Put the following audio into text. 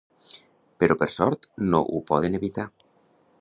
Però per sort no ho poden evitar.